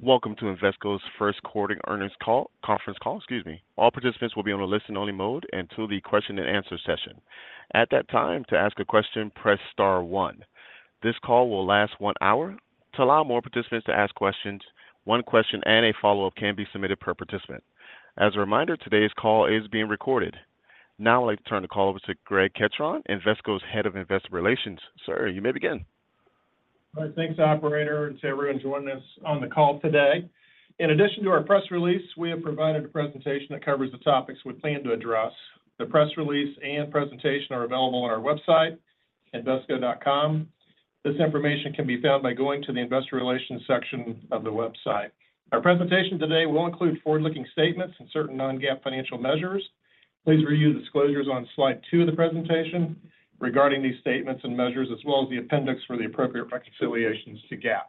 Welcome to Invesco's first quarter earnings call conference call. Excuse me. All participants will be on a listen-only mode until the question-and-answer session. At that time, to ask a question, press star one. This call will last one hour to allow more participants to ask questions. One question and a follow-up can be submitted per participant. As a reminder, today's call is being recorded. Now I'd like to turn the call over to Greg Ketron, Invesco's Head of Investor Relations. Sir, you may begin. All right. Thanks, operator, and to everyone joining us on the call today. In addition to our press release, we have provided a presentation that covers the topics we plan to address. The press release and presentation are available on our website, invesco.com. This information can be found by going to the investor relations section of the website. Our presentation today will include forward-looking statements and certain non-GAAP financial measures. Please review the disclosures on slide two of the presentation regarding these statements and measures, as well as the appendix for the appropriate reconciliations to GAAP.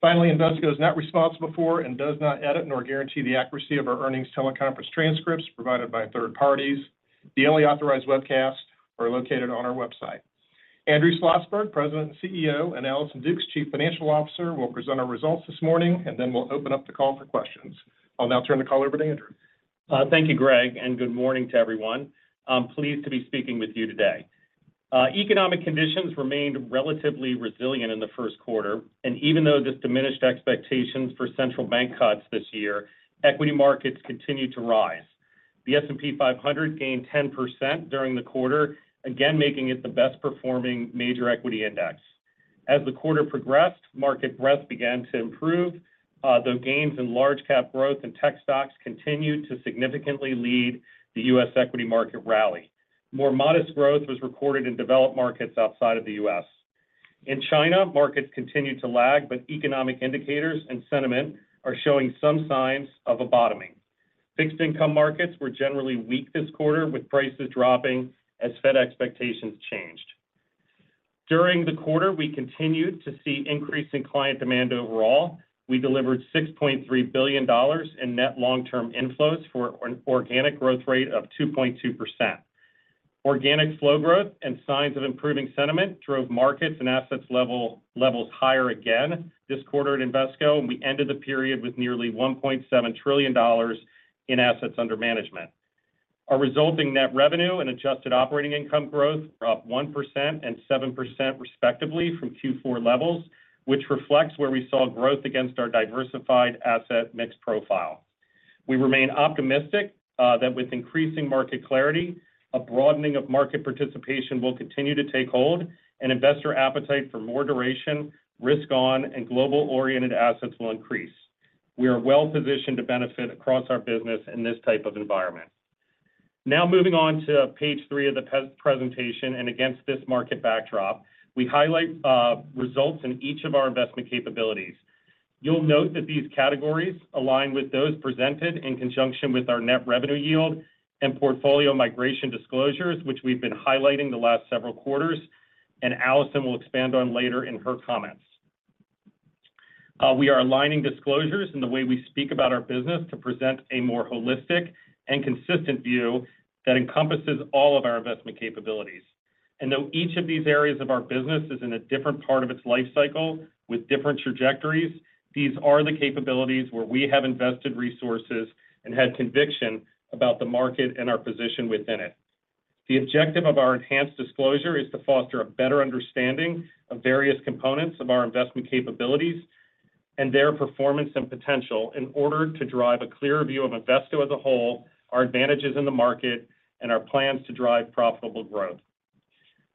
Finally, Invesco is not responsible for and does not edit nor guarantee the accuracy of our earnings teleconference transcripts provided by third parties. The only authorized webcasts are located on our website. Andrew Schlossberg, President and CEO, and Allison Dukes, Chief Financial Officer, will present our results this morning, and then we'll open up the call for questions. I'll now turn the call over to Andrew. Thank you, Greg, and good morning to everyone. I'm pleased to be speaking with you today. Economic conditions remained relatively resilient in the first quarter, and even though this diminished expectations for central bank cuts this year, equity markets continued to rise. The S&P 500 gained 10% during the quarter, again making it the best-performing major equity index. As the quarter progressed, market breadth began to improve, though gains in large-cap growth and tech stocks continued to significantly lead the U.S. equity market rally. More modest growth was recorded in developed markets outside of the U.S. In China, markets continued to lag, but economic indicators and sentiment are showing some signs of a bottoming. Fixed income markets were generally weak this quarter, with prices dropping as Fed expectations changed. During the quarter, we continued to see increasing client demand overall. We delivered $6.3 billion in net long-term inflows for an organic growth rate of 2.2%. Organic flow growth and signs of improving sentiment drove markets and assets levels higher again this quarter at Invesco, and we ended the period with nearly $1.7 trillion in assets under management. Our resulting net revenue and adjusted operating income growth were up 1% and 7% respectively from Q4 levels, which reflects where we saw growth against our diversified asset mix profile. We remain optimistic that with increasing market clarity, a broadening of market participation will continue to take hold, and investor appetite for more duration, risk-on, and global-oriented assets will increase. We are well-positioned to benefit across our business in this type of environment. Now moving on to page three of the presentation, and against this market backdrop, we highlight results in each of our investment capabilities. You'll note that these categories align with those presented in conjunction with our net revenue yield and portfolio migration disclosures, which we've been highlighting the last several quarters, and Allison will expand on later in her comments. We are aligning disclosures and the way we speak about our business to present a more holistic and consistent view that encompasses all of our investment capabilities. And though each of these areas of our business is in a different part of its life cycle with different trajectories, these are the capabilities where we have invested resources and had conviction about the market and our position within it. The objective of our enhanced disclosure is to foster a better understanding of various components of our investment capabilities and their performance and potential in order to drive a clearer view of Invesco as a whole, our advantages in the market, and our plans to drive profitable growth.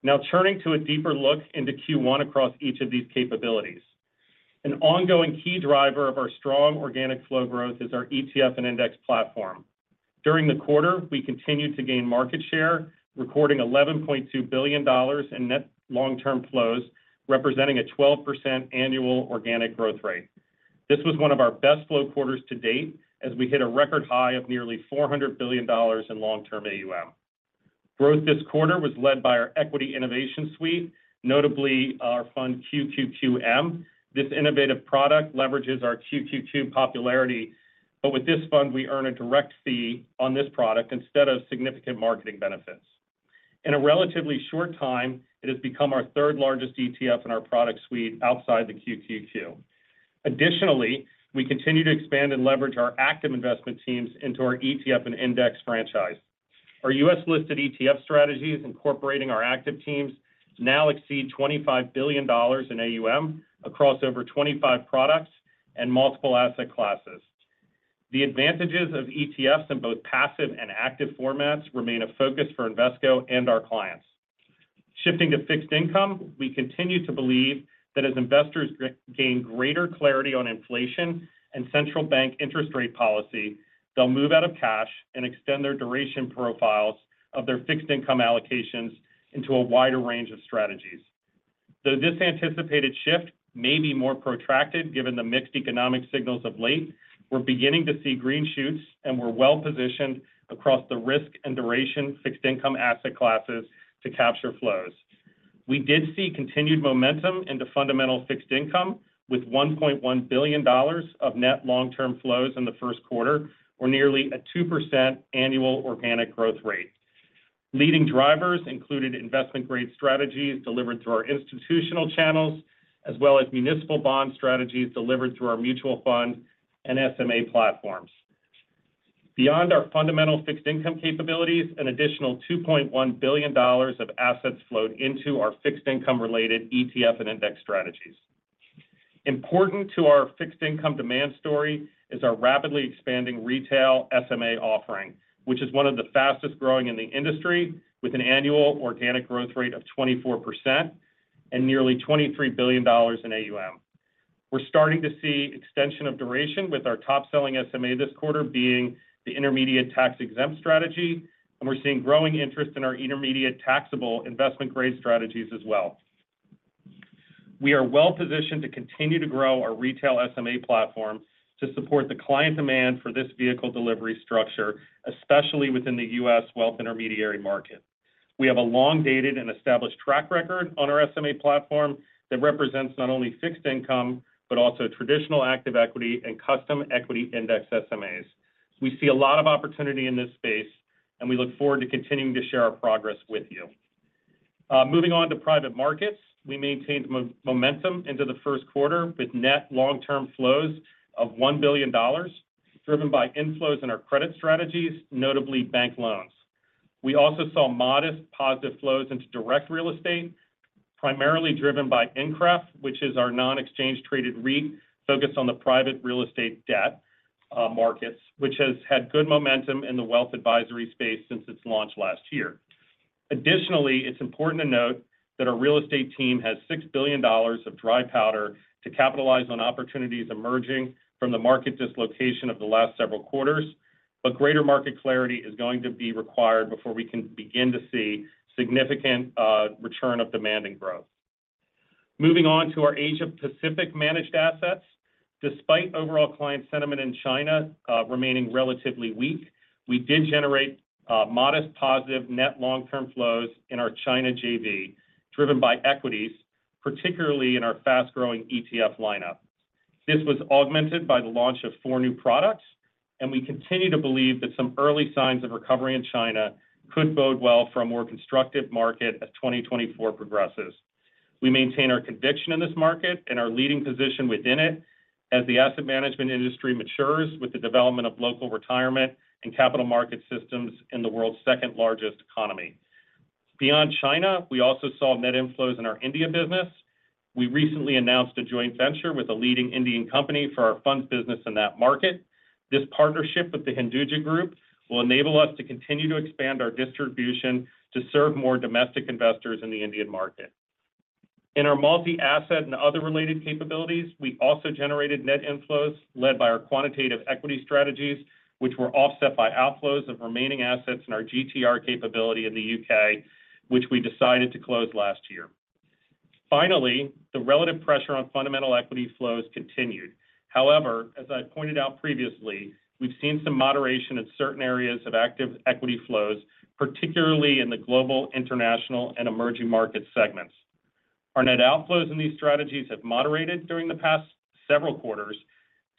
Now turning to a deeper look into Q1 across each of these capabilities. An ongoing key driver of our strong organic flow growth is our ETF and index platform. During the quarter, we continued to gain market share, recording $11.2 billion in net long-term flows, representing a 12% annual organic growth rate. This was one of our best flow quarters to date as we hit a record high of nearly $400 billion in long-term AUM. Growth this quarter was led by our equity innovation suite, notably our fund QQQM. This innovative product leverages our QQQ popularity, but with this fund, we earn a direct fee on this product instead of significant marketing benefits. In a relatively short time, it has become our third-largest ETF in our product suite outside the QQQ. Additionally, we continue to expand and leverage our active investment teams into our ETF and index franchise. Our U.S.-listed ETF strategies, incorporating our active teams, now exceed $25 billion in AUM across over 25 products and multiple asset classes. The advantages of ETFs in both passive and active formats remain a focus for Invesco and our clients. Shifting to fixed income, we continue to believe that as investors gain greater clarity on inflation and central bank interest rate policy, they'll move out of cash and extend their duration profiles of their fixed income allocations into a wider range of strategies. Though this anticipated shift may be more protracted given the mixed economic signals of late, we're beginning to see green shoots, and we're well-positioned across the risk and duration fixed income asset classes to capture flows. We did see continued momentum into fundamental fixed income with $1.1 billion of net long-term flows in the first quarter or nearly a 2% annual organic growth rate. Leading drivers included investment-grade strategies delivered through our institutional channels, as well as municipal bond strategies delivered through our mutual fund and SMA platforms. Beyond our fundamental fixed income capabilities, an additional $2.1 billion of assets flowed into our fixed income-related ETF and index strategies. Important to our fixed income demand story is our rapidly expanding retail SMA offering, which is one of the fastest growing in the industry, with an annual organic growth rate of 24% and nearly $23 billion in AUM. We're starting to see extension of duration, with our top-selling SMA this quarter being the intermediate tax-exempt strategy, and we're seeing growing interest in our intermediate taxable investment-grade strategies as well. We are well-positioned to continue to grow our retail SMA platform to support the client demand for this vehicle delivery structure, especially within the U.S. wealth intermediary market. We have a long-dated and established track record on our SMA platform that represents not only fixed income but also traditional active equity and custom equity index SMAs. We see a lot of opportunity in this space, and we look forward to continuing to share our progress with you. Moving on to private markets, we maintained momentum into the first quarter with net long-term flows of $1 billion, driven by inflows in our credit strategies, notably bank loans. We also saw modest positive flows into direct real estate, primarily driven by Incref, which is our non-exchange-traded REIT focused on the private real estate debt markets, which has had good momentum in the wealth advisory space since its launch last year. Additionally, it's important to note that our real estate team has $6 billion of dry powder to capitalize on opportunities emerging from the market dislocation of the last several quarters, but greater market clarity is going to be required before we can begin to see significant return of demand and growth. Moving on to our Asia Pacific managed assets, despite overall client sentiment in China remaining relatively weak, we did generate modest positive net long-term flows in our China JV, driven by equities, particularly in our fast-growing ETF lineup. This was augmented by the launch of four new products, and we continue to believe that some early signs of recovery in China could bode well for a more constructive market as 2024 progresses. We maintain our conviction in this market and our leading position within it as the asset management industry matures with the development of local retirement and capital market systems in the world's second-largest economy. Beyond China, we also saw net inflows in our India business. We recently announced a joint venture with a leading Indian company for our funds business in that market. This partnership with the Hinduja Group will enable us to continue to expand our distribution to serve more domestic investors in the Indian market. In our multi-asset and other related capabilities, we also generated net inflows led by our quantitative equity strategies, which were offset by outflows of remaining assets in our GTR capability in the U.K., which we decided to close last year. Finally, the relative pressure on fundamental equity flows continued. However, as I pointed out previously, we've seen some moderation in certain areas of active equity flows, particularly in the global, international, and emerging market segments. Our net outflows in these strategies have moderated during the past several quarters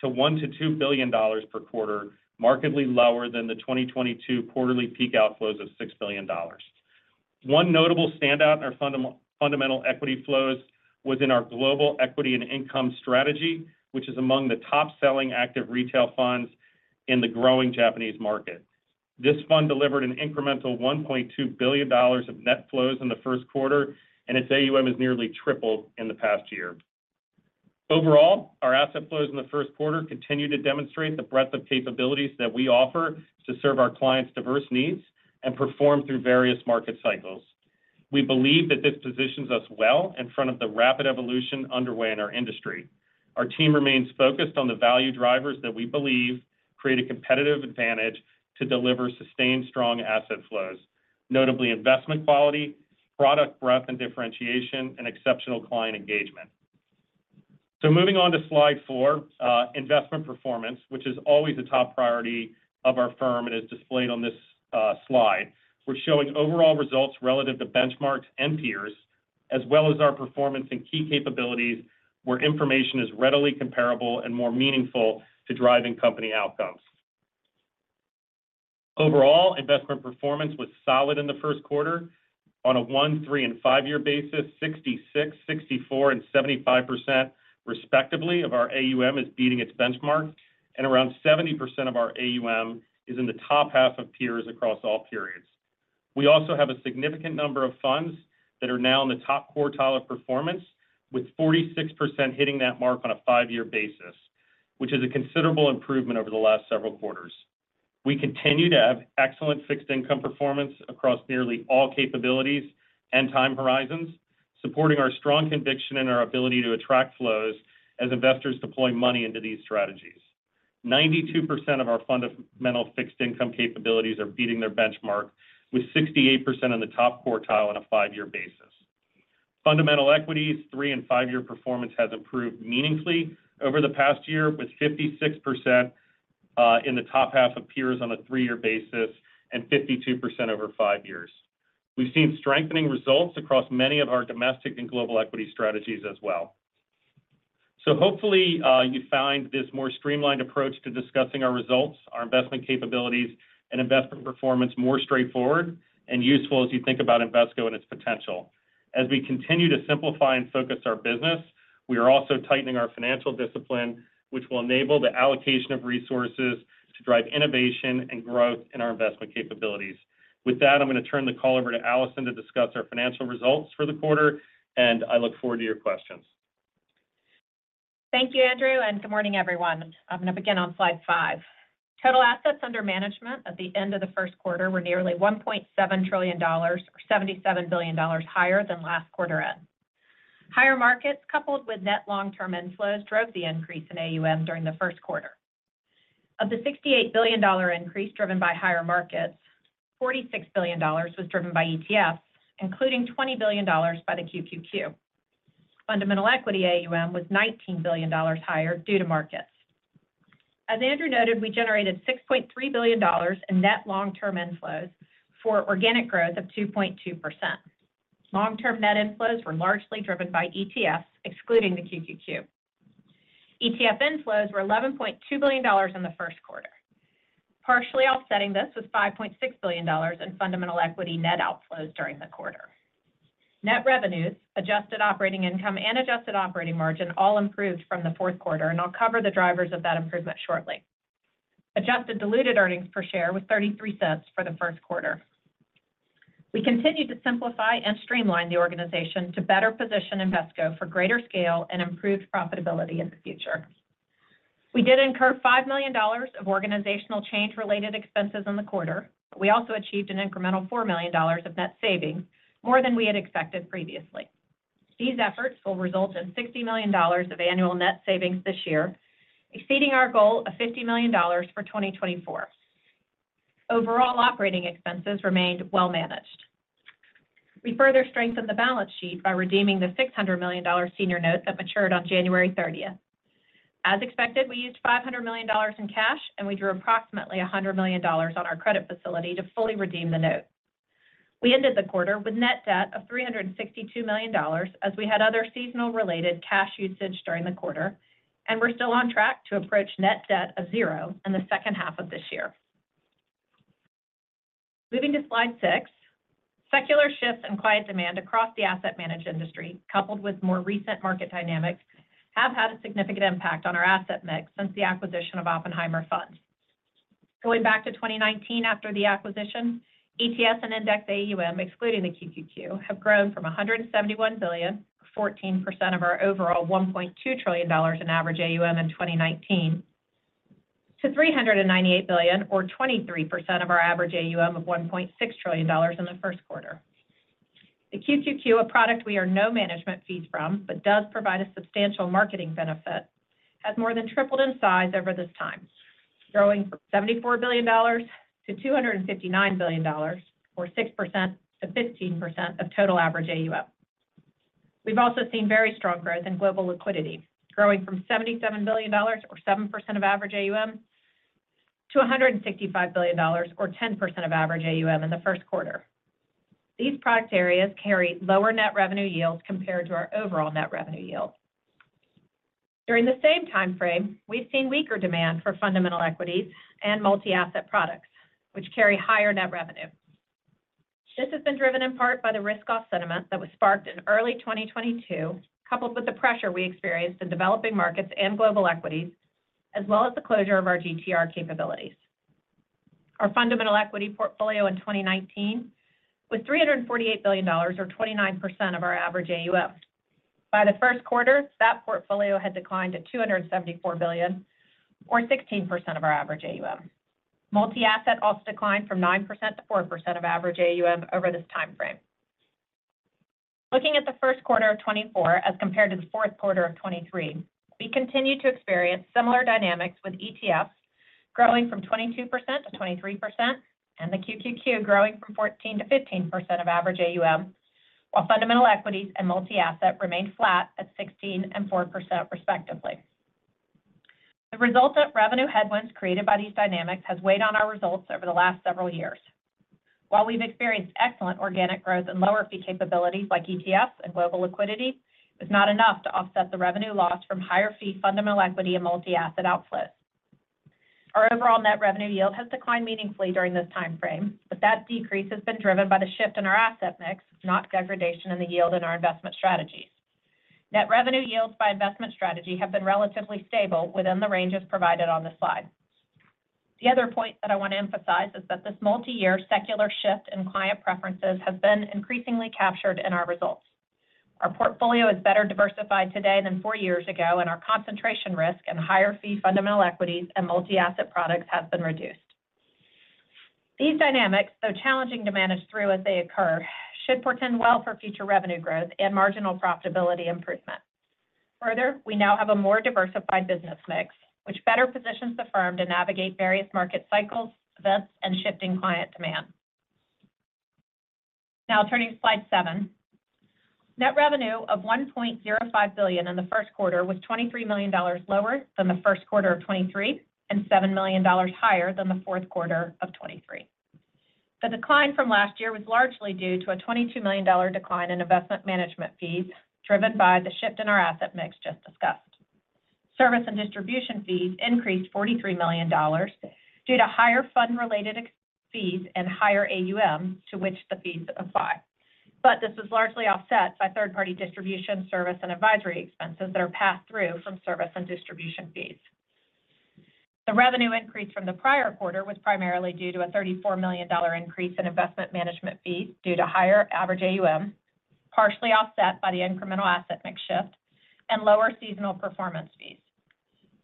to $1 billion-$2 billion per quarter, markedly lower than the 2022 quarterly peak outflows of $6 billion. One notable standout in our fundamental equity flows was in our global equity and income strategy, which is among the top-selling active retail funds in the growing Japanese market. This fund delivered an incremental $1.2 billion of net flows in the first quarter, and its AUM has nearly tripled in the past year. Overall, our asset flows in the first quarter continue to demonstrate the breadth of capabilities that we offer to serve our clients' diverse needs and perform through various market cycles. We believe that this positions us well in front of the rapid evolution underway in our industry. Our team remains focused on the value drivers that we believe create a competitive advantage to deliver sustained, strong asset flows, notably investment quality, product breadth and differentiation, and exceptional client engagement. Moving on to slide four, investment performance, which is always a top priority of our firm and is displayed on this slide. We're showing overall results relative to benchmarks and peers, as well as our performance and key capabilities where information is readily comparable and more meaningful to driving company outcomes. Overall, investment performance was solid in the first quarter. On a one, three, and five-year basis, 66%, 64%, and 75% respectively of our AUM is beating its benchmark, and around 70% of our AUM is in the top half of peers across all periods. We also have a significant number of funds that are now in the top quartile of performance, with 46% hitting that mark on a five-year basis, which is a considerable improvement over the last several quarters. We continue to have excellent fixed income performance across nearly all capabilities and time horizons, supporting our strong conviction in our ability to attract flows as investors deploy money into these strategies. 92% of our fundamental fixed income capabilities are beating their benchmark, with 68% in the top quartile on a five-year basis. Fundamental equities, three and five-year performance has improved meaningfully over the past year, with 56% in the top half of peers on a three-year basis and 52% over five years. We've seen strengthening results across many of our domestic and global equity strategies as well. Hopefully, you found this more streamlined approach to discussing our results, our investment capabilities, and investment performance more straightforward and useful as you think about Invesco and its potential. As we continue to simplify and focus our business, we are also tightening our financial discipline, which will enable the allocation of resources to drive innovation and growth in our investment capabilities. With that, I'm going to turn the call over to Allison to discuss our financial results for the quarter, and I look forward to your questions. Thank you, Andrew, and good morning, everyone. I'm going to begin on slide five. Total assets under management at the end of the first quarter were nearly $1.7 trillion, or $77 billion, higher than last quarter end. Higher markets coupled with net long-term inflows drove the increase in AUM during the first quarter. Of the $68 billion increase driven by higher markets, $46 billion was driven by ETFs, including $20 billion by the QQQ. Fundamental equity AUM was $19 billion higher due to markets. As Andrew noted, we generated $6.3 billion in net long-term inflows for organic growth of 2.2%. Long-term net inflows were largely driven by ETFs, excluding the QQQ. ETF inflows were $11.2 billion in the first quarter. Partially offsetting this was $5.6 billion in fundamental equity net outflows during the quarter. Net revenues, adjusted operating income, and adjusted operating margin all improved from the fourth quarter, and I'll cover the drivers of that improvement shortly. Adjusted diluted earnings per share was $0.33 for the first quarter. We continue to simplify and streamline the organization to better position Invesco for greater scale and improved profitability in the future. We did incur $5 million of organizational change-related expenses in the quarter, but we also achieved an incremental $4 million of net savings, more than we had expected previously. These efforts will result in $60 million of annual net savings this year, exceeding our goal of $50 million for 2024. Overall operating expenses remained well-managed. We further strengthened the balance sheet by redeeming the $600 million senior note that matured on January 30th. As expected, we used $500 million in cash, and we drew approximately $100 million on our credit facility to fully redeem the note. We ended the quarter with net debt of $362 million as we had other seasonal-related cash usage during the quarter, and we're still on track to approach net debt of zero in the second half of this year. Moving to slide six, secular shifts in quiet demand across the asset managed industry, coupled with more recent market dynamics, have had a significant impact on our asset mix since the acquisition of OppenheimerFunds. Going back to 2019 after the acquisition, ETFs and index AUM, excluding the QQQ, have grown from $171 billion, or 14% of our overall $1.2 trillion in average AUM in 2019, to $398 billion, or 23% of our average AUM of $1.6 trillion in the first quarter. The QQQ, a product we earn no management fees from but does provide a substantial marketing benefit, has more than tripled in size over this time, growing from $74 billion to $259 billion, or 6%-15% of total average AUM. We've also seen very strong growth in global liquidity, growing from $77 billion, or 7% of average AUM, to $165 billion, or 10% of average AUM in the first quarter. These product areas carry lower net revenue yields compared to our overall net revenue yield. During the same time frame, we've seen weaker demand for fundamental equities and multi-asset products, which carry higher net revenue. This has been driven in part by the risk-off sentiment that was sparked in early 2022, coupled with the pressure we experienced in developing markets and global equities, as well as the closure of our GTR capabilities. Our fundamental equity portfolio in 2019 was $348 billion, or 29% of our average AUM. By the first quarter, that portfolio had declined to $274 billion, or 16% of our average AUM. Multi-asset also declined from 9%-4% of average AUM over this time frame. Looking at the first quarter of 2024 as compared to the fourth quarter of 2023, we continue to experience similar dynamics with ETFs growing from 22%-23% and the QQQ growing from 14%-15% of average AUM, while fundamental equities and multi-asset remained flat at 16% and 4% respectively. The resultant revenue headwinds created by these dynamics have weighed on our results over the last several years. While we've experienced excellent organic growth in lower fee capabilities like ETFs and global liquidity, it was not enough to offset the revenue loss from higher fee fundamental equity and multi-asset outflows. Our overall net revenue yield has declined meaningfully during this time frame, but that decrease has been driven by the shift in our asset mix, not degradation in the yield in our investment strategies. Net revenue yields by investment strategy have been relatively stable within the ranges provided on this slide. The other point that I want to emphasize is that this multi-year secular shift in client preferences has been increasingly captured in our results. Our portfolio is better diversified today than four years ago, and our concentration risk in higher fee fundamental equities and multi-asset products has been reduced. These dynamics, though challenging to manage through as they occur, should portend well for future revenue growth and marginal profitability improvement. Further, we now have a more diversified business mix, which better positions the firm to navigate various market cycles, events, and shifting client demand. Now turning to slide seven. Net revenue of $1.05 billion in the first quarter was $23 million lower than the first quarter of 2023 and $7 million higher than the fourth quarter of 2023. The decline from last year was largely due to a $22 million decline in investment management fees driven by the shift in our asset mix just discussed. Service and distribution fees increased $43 million due to higher fund-related fees and higher AUM to which the fees apply, but this was largely offset by third-party distribution, service, and advisory expenses that are passed through from service and distribution fees. The revenue increase from the prior quarter was primarily due to a $34 million increase in investment management fees due to higher average AUM, partially offset by the incremental asset mix shift, and lower seasonal performance fees.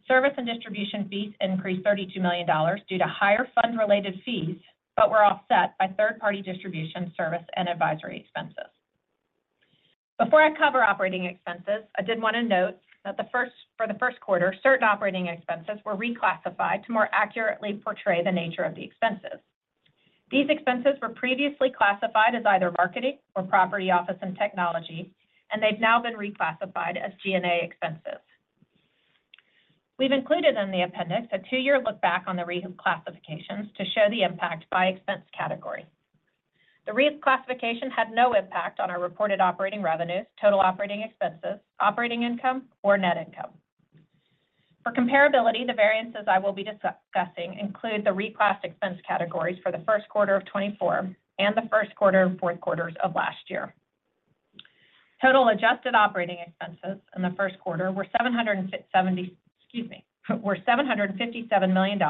Service and distribution fees increased $32 million due to higher fund-related fees but were offset by third-party distribution, service, and advisory expenses. Before I cover operating expenses, I did want to note that for the first quarter, certain operating expenses were reclassified to more accurately portray the nature of the expenses. These expenses were previously classified as either marketing or property, office, and technology, and they've now been reclassified as G&A expenses. We've included in the appendix a two-year lookback on the reclassifications to show the impact by expense category. The reclassification had no impact on our reported operating revenues, total operating expenses, operating income, or net income. For comparability, the variances I will be discussing include the reclass expense categories for the first quarter of 2024 and the first quarter and fourth quarters of last year. Total adjusted operating expenses in the first quarter were $770 excuse me, were $757 million,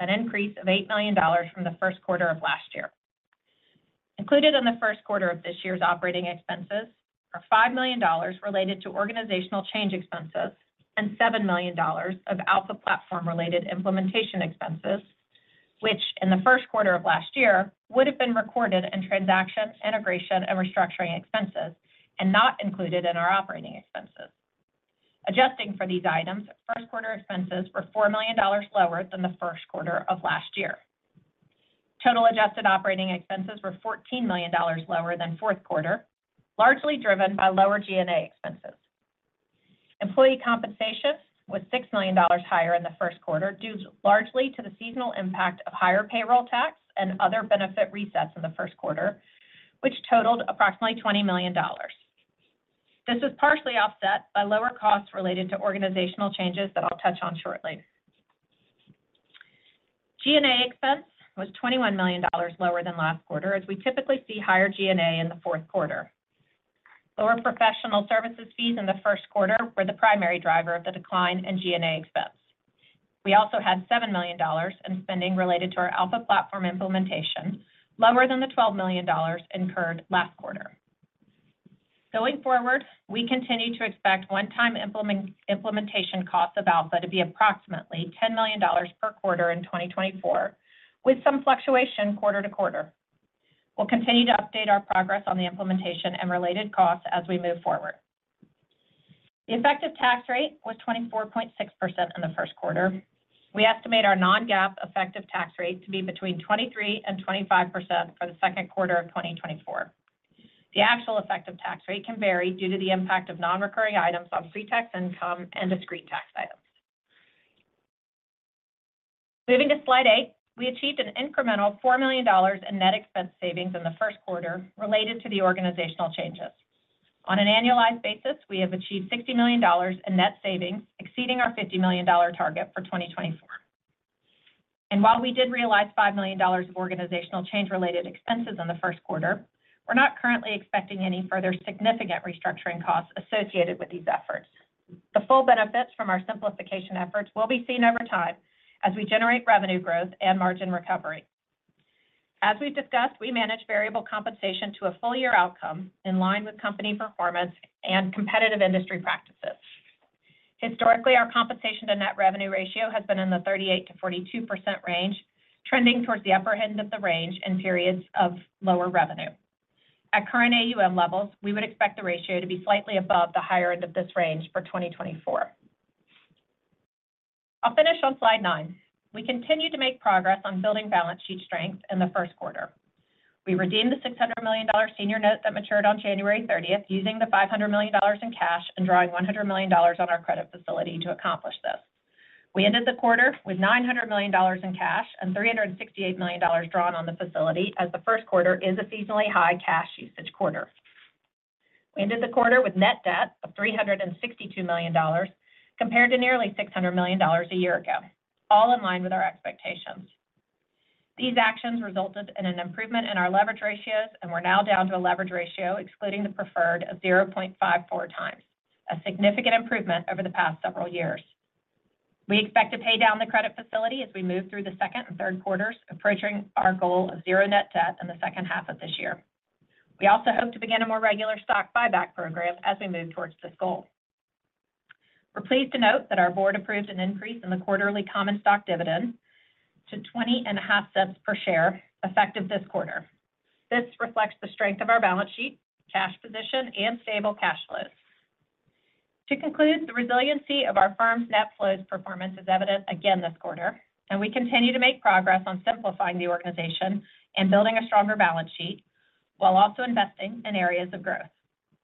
an increase of $8 million from the first quarter of last year. Included in the first quarter of this year's operating expenses are $5 million related to organizational change expenses and $7 million of alpha platform-related implementation expenses, which in the first quarter of last year would have been recorded in transaction, integration, and restructuring expenses and not included in our operating expenses. Adjusting for these items, first quarter expenses were $4 million lower than the first quarter of last year. Total adjusted operating expenses were $14 million lower than fourth quarter, largely driven by lower G&A expenses. Employee compensation was $6 million higher in the first quarter due largely to the seasonal impact of higher payroll tax and other benefit resets in the first quarter, which totaled approximately $20 million. This was partially offset by lower costs related to organizational changes that I'll touch on shortly. G&A expense was $21 million lower than last quarter, as we typically see higher G&A in the fourth quarter. Lower professional services fees in the first quarter were the primary driver of the decline in G&A expense. We also had $7 million in spending related to our alpha platform implementation, lower than the $12 million incurred last quarter. Going forward, we continue to expect one-time implementation costs of alpha to be approximately $10 million per quarter in 2024, with some fluctuation quarter to quarter. We'll continue to update our progress on the implementation and related costs as we move forward. The effective tax rate was 24.6% in the first quarter. We estimate our non-GAAP effective tax rate to be between 23% and 25% for the second quarter of 2024. The actual effective tax rate can vary due to the impact of non-recurring items on pretax income and discrete tax items. Moving to slide eight, we achieved an incremental $4 million in net expense savings in the first quarter related to the organizational changes. On an annualized basis, we have achieved $60 million in net savings, exceeding our $50 million target for 2024. And while we did realize $5 million of organizational change-related expenses in the first quarter, we're not currently expecting any further significant restructuring costs associated with these efforts. The full benefits from our simplification efforts will be seen over time as we generate revenue growth and margin recovery. As we've discussed, we manage variable compensation to a full-year outcome in line with company performance and competitive industry practices. Historically, our compensation-to-net revenue ratio has been in the 38%-42% range, trending towards the upper end of the range in periods of lower revenue. At current AUM levels, we would expect the ratio to be slightly above the higher end of this range for 2024. I'll finish on slide nine. We continue to make progress on building balance sheet strength in the first quarter. We redeemed the $600 million senior note that matured on January 30th using the $500 million in cash and drawing $100 million on our credit facility to accomplish this. We ended the quarter with $900 million in cash and $368 million drawn on the facility as the first quarter is a seasonally high cash usage quarter. We ended the quarter with net debt of $362 million compared to nearly $600 million a year ago, all in line with our expectations. These actions resulted in an improvement in our leverage ratios, and we're now down to a leverage ratio excluding the preferred of 0.54 times, a significant improvement over the past several years. We expect to pay down the credit facility as we move through the second and third quarters, approaching our goal of zero net debt in the second half of this year. We also hope to begin a more regular stock buyback program as we move towards this goal. We're pleased to note that our board approved an increase in the quarterly common stock dividend to $0.205 per share effective this quarter. This reflects the strength of our balance sheet, cash position, and stable cash flows. To conclude, the resiliency of our firm's net flows performance is evident again this quarter, and we continue to make progress on simplifying the organization and building a stronger balance sheet while also investing in areas of growth.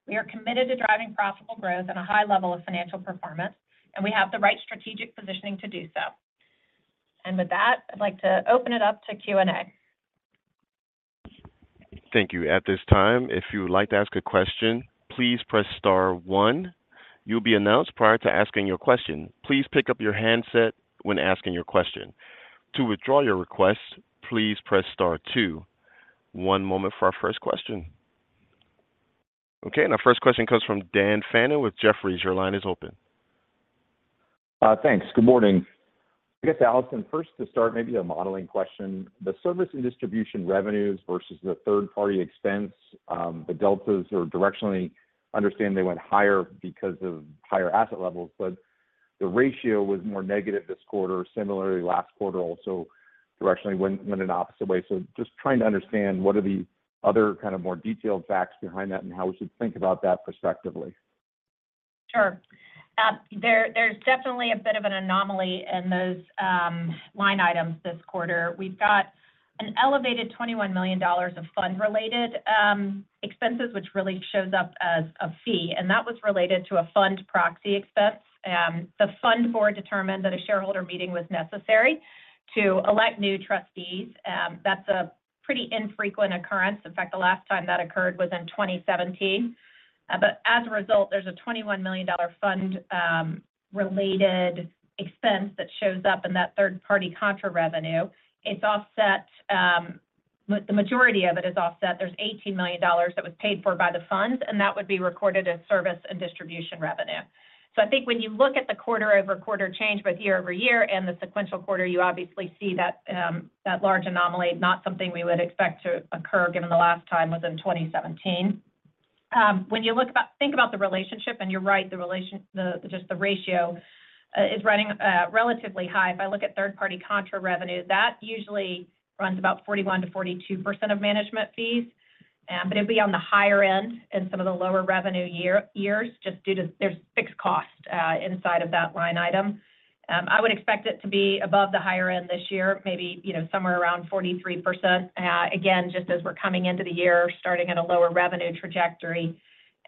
We are committed to driving profitable growth and a high level of financial performance, and we have the right strategic positioning to do so. With that, I'd like to open it up to Q&A. Thank you. At this time, if you would like to ask a question, please press star one. You'll be announced prior to asking your question. Please pick up your handset when asking your question. To withdraw your request, please press star two. One moment for our first question. Okay. Our first question comes from Dan Fannon with Jefferies. Your line is open. Thanks. Good morning. I guess, Allison, first to start, maybe a modeling question. The service and distribution revenues versus the third-party expense, the deltas are directionally understand they went higher because of higher asset levels, but the ratio was more negative this quarter, similarly last quarter also directionally went an opposite way. So just trying to understand what are the other kind of more detailed facts behind that and how we should think about that perspectively. Sure. There's definitely a bit of an anomaly in those line items this quarter. We've got an elevated $21 million of fund-related expenses, which really shows up as a fee, and that was related to a fund proxy expense. The fund board determined that a shareholder meeting was necessary to elect new trustees. That's a pretty infrequent occurrence. In fact, the last time that occurred was in 2017. But as a result, there's a $21 million fund-related expense that shows up in that third-party contra-revenue. The majority of it is offset. There's $18 million that was paid for by the funds, and that would be recorded as service and distribution revenue. So I think when you look at the quarter-over-quarter change both year-over-year and the sequential quarter, you obviously see that large anomaly, not something we would expect to occur given the last time was in 2017. When you think about the relationship, and you're right, just the ratio is running relatively high. If I look at third-party contra-revenue, that usually runs about 41%-42% of management fees, but it'd be on the higher end in some of the lower revenue years just due to there's fixed cost inside of that line item. I would expect it to be above the higher end this year, maybe somewhere around 43%, again, just as we're coming into the year, starting at a lower revenue trajectory.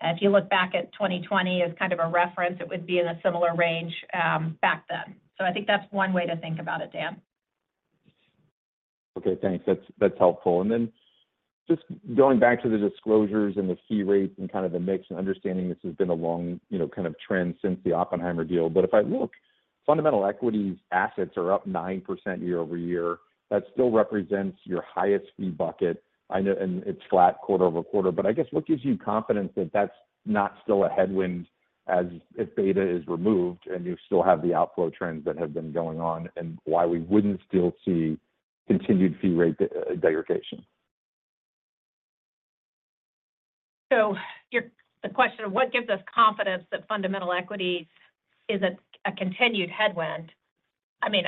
If you look back at 2020 as kind of a reference, it would be in a similar range back then. So I think that's one way to think about it, Dan. Okay. Thanks. That's helpful. And then just going back to the disclosures and the fee rates and kind of the mix and understanding this has been a long kind of trend since the Oppenheimer deal. But if I look, fundamental equities assets are up 9% year-over-year. That still represents your highest fee bucket, and it's flat quarter-over-quarter. But I guess what gives you confidence that that's not still a headwind as if beta is removed and you still have the outflow trends that have been going on and why we wouldn't still see continued fee rate degradation? So the question of what gives us confidence that fundamental equities is a continued headwind, I mean,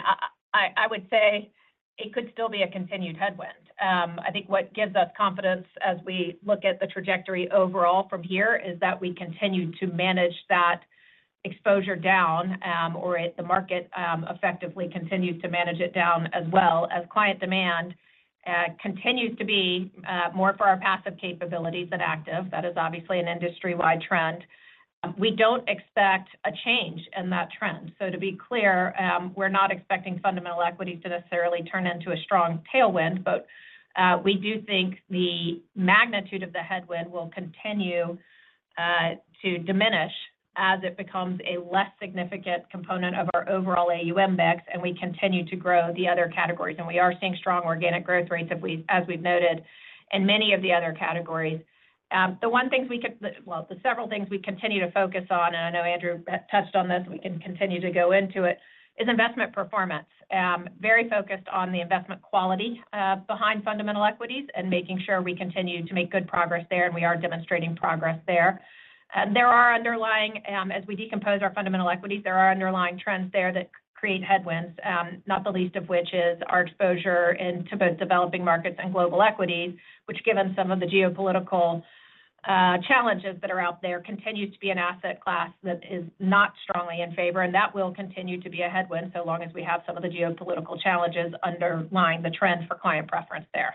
I would say it could still be a continued headwind. I think what gives us confidence as we look at the trajectory overall from here is that we continue to manage that exposure down or the market effectively continues to manage it down as well as client demand continues to be more for our passive capabilities than active. That is obviously an industry-wide trend. We don't expect a change in that trend. So to be clear, we're not expecting fundamental equities to necessarily turn into a strong tailwind, but we do think the magnitude of the headwind will continue to diminish as it becomes a less significant component of our overall AUM mix, and we continue to grow the other categories. We are seeing strong organic growth rates, as we've noted, in many of the other categories. The several things we continue to focus on, and I know Andrew touched on this, we can continue to go into it, is investment performance, very focused on the investment quality behind fundamental equities and making sure we continue to make good progress there, and we are demonstrating progress there. There are underlying, as we decompose our fundamental equities, there are underlying trends there that create headwinds, not the least of which is our exposure to both developing markets and global equities, which, given some of the geopolitical challenges that are out there, continues to be an asset class that is not strongly in favor, and that will continue to be a headwind so long as we have some of the geopolitical challenges underlying the trend for client preference there.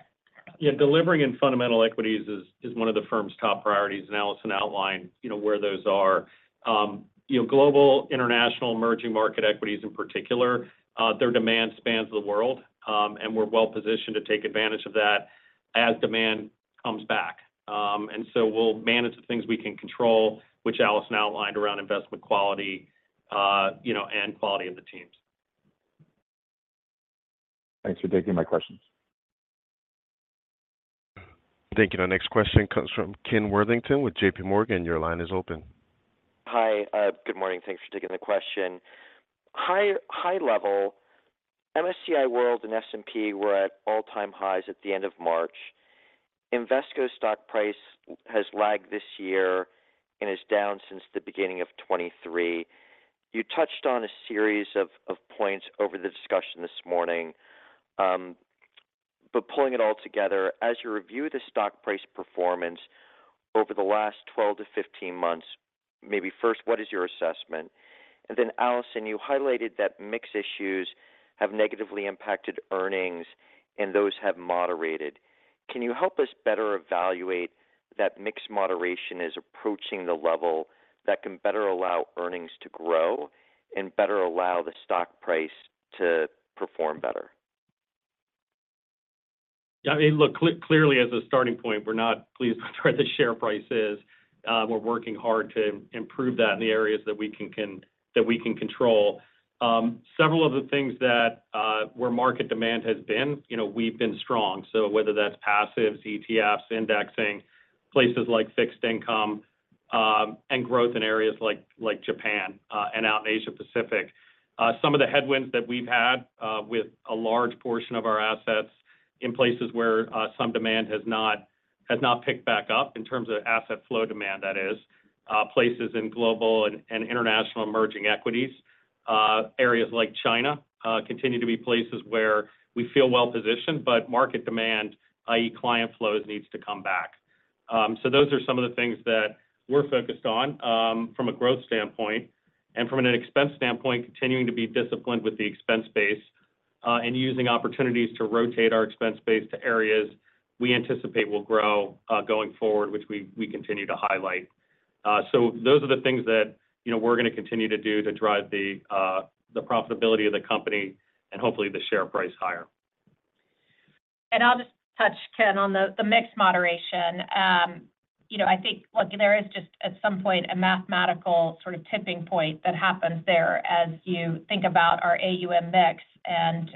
Yeah. Delivering in fundamental equities is one of the firm's top priorities, and Allison outlined where those are. Global, international, emerging market equities in particular, their demand spans the world, and we're well positioned to take advantage of that as demand comes back. And so we'll manage the things we can control, which Allison outlined around investment quality and quality of the teams. Thanks for taking my questions. Thank you. Our next question comes from Ken Worthington with JP Morgan. Your line is open. Hi. Good morning. Thanks for taking the question. High-level, MSCI World and S&P were at all-time highs at the end of March. Invesco's stock price has lagged this year and is down since the beginning of 2023. You touched on a series of points over the discussion this morning. But pulling it all together, as you review the stock price performance over the last 12-15 months, maybe first, what is your assessment? And then, Allison, you highlighted that mix issues have negatively impacted earnings, and those have moderated. Can you help us better evaluate that mix moderation is approaching the level that can better allow earnings to grow and better allow the stock price to perform better? Yeah. I mean, look, clearly, as a starting point, we're not pleased with where the share price is. We're working hard to improve that in the areas that we can control. Several of the things where market demand has been, we've been strong. So whether that's passives, ETFs, indexing, places like fixed income, and growth in areas like Japan and out in Asia-Pacific, some of the headwinds that we've had with a large portion of our assets in places where some demand has not picked back up in terms of asset flow demand, that is, places in global and international emerging equities, areas like China continue to be places where we feel well positioned, but market demand, i.e., client flows, needs to come back. So those are some of the things that we're focused on from a growth standpoint. From an expense standpoint, continuing to be disciplined with the expense base and using opportunities to rotate our expense base to areas we anticipate will grow going forward, which we continue to highlight. Those are the things that we're going to continue to do to drive the profitability of the company and hopefully the share price higher. I'll just touch, Ken, on the mix moderation. I think, look, there is just at some point a mathematical sort of tipping point that happens there as you think about our AUM mix and